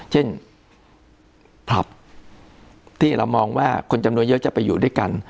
เช่นผับที่เรามองว่าคนจำนวนเยอะจะไปอยู่ด้วยกัน